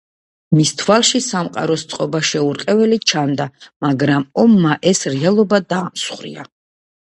მის თვალში სამყაროს წყობა შეურყეველი ჩანდა, მაგრამ ომმა ეს რეალობა დაამსხვრია.